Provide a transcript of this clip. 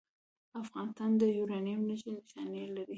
افغانستان د یورانیم نښې نښانې لري